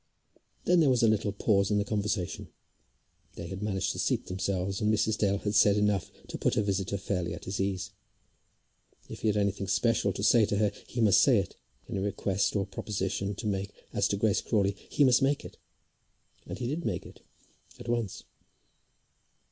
Then there was a little pause in the conversation. They had managed to seat themselves, and Mrs. Dale had said enough to put her visitor fairly at his ease. If he had anything special to say to her, he must say it, any request or proposition to make as to Grace Crawley, he must make it. And he did make it at once.